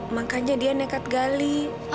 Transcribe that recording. makanya dia nekat gali